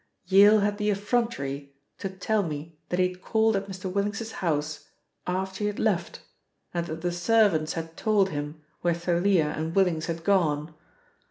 Yale had the effrontery to tell me that he had called at Mr. Willings's house after he had left and that the servants had told him where Thalia and Willings had gone.